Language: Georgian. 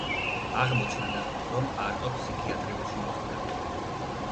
აღმოჩნდა, რომ არტო ფსიქიატრიულში მოხვდა.